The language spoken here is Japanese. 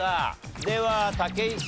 では武井さん。